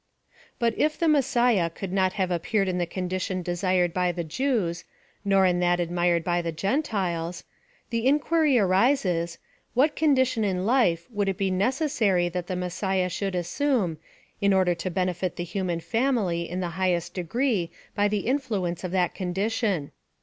But, if the Messiah could not have appeared in the condition desired by the Jews, nor in that ad mired by the Gentiles, the inquiry arises — What condition in life would it be necessary that the Mes siah should assume, in order to benefit the human family in the highest degree by the influence of that condition